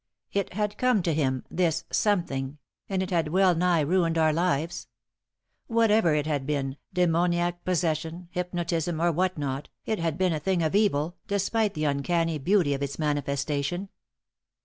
It had come to him this "something" and it had well nigh ruined our lives. Whatever it had been, demoniac possession, hypnotism or what not, it had been a thing of evil, despite the uncanny beauty of its manifestation.